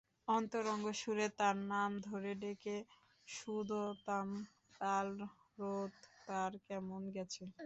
অন্তরঙ্গ সুরে তার নাম ধরে ডেকে শুধোতাম, কাল রােত তার কেমন গেছে।